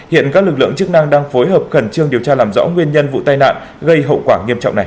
hiện các lực lượng chức năng đang phối hợp khẩn trương điều tra làm rõ nguyên nhân vụ tai nạn gây hậu quả nghiêm trọng này